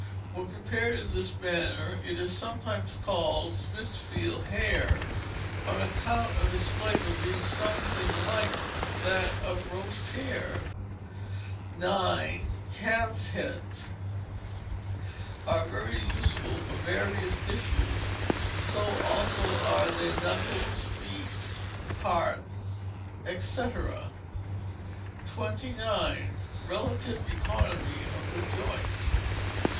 When prepared in this manner it is sometimes called 'Smithfield Hare', on account of its flavour being something like that of roast hare. ix. Calves' Heads are very useful for various dishes; so also are their Knuckles, Feet, Heart, &c. 29. Relative Economy of the Joints.